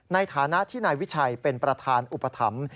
ในฐานะที่นายวิชัยเป็นประธานอุปถัมภ์